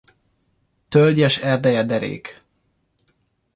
Tölgyes erdeje derék.